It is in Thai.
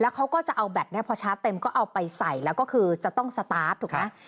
เขาก็จะเอาแบตนี้พอชาร์จเต็มก็เอาไปใส่แล้วก็คือจะต้องสตาร์ทถูกไหม